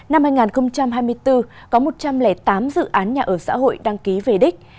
năm hai nghìn hai mươi bốn có một trăm linh tám dự án nhà ở xã hội đăng ký về đích